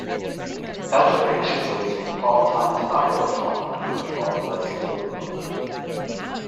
Etheridge is also a part-time tobacco farmer and hardware store owner.